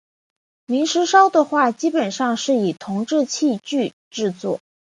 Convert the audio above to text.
明石烧的话基本上是以铜制器具制作。